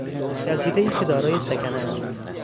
جزیرهای که دارای سکنه است